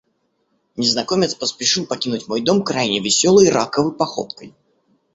Незнакомец поспешил покинуть мой дом крайне весёлой раковой походкой.